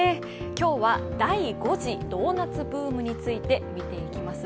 今日は第５次ドーナツブームについて見ていきます。